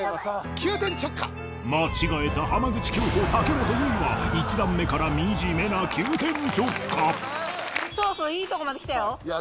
急転直下間違えた浜口京子武元唯衣は１段目から惨めな急転直下そろそろいいとこまできたよ